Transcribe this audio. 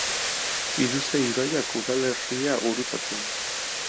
Biduze ibaiak udalerria gurutzatzen du.